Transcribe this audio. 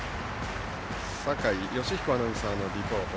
酒井良彦アナウンサーのリポート。